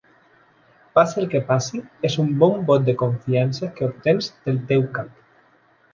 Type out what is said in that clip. Passi el que passi, és un bon vot de confiança que obtens del teu cap.